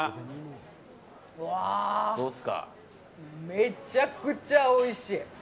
めちゃくちゃおいしい。